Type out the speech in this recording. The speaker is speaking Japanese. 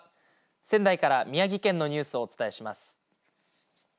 仙台から宮城県のニュースをお伝えします。